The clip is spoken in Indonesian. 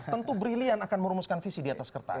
tentu brilliant akan merumuskan visi di atas kertas